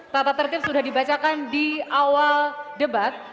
tata tertib sudah dibacakan di awal debat